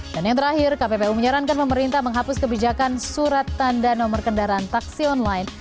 dan yang terakhir kppu menyarankan pemerintah menghapus kebijakan surat tanda nomor kendaraan taksi online